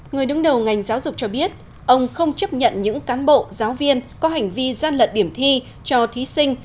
người đứng đầu ngành giáo dục cho biết ông không chấp nhận những cán bộ giáo viên có hành vi gian lận điểm thi cho thí sinh